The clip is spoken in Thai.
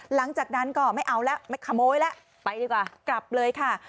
หลังจากนั้นก็ไม่เอาแล้วไม่ขโมยแล้วไปดีกว่ากลับเลยค่ะ